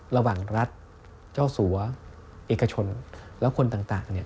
ระหว่างรัฐเจ้าสัวเอกชนแล้วคนต่าง